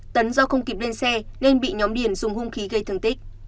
tấn do không kịp lên xe nên bị nhóm điền dùng hung khí gây thương tích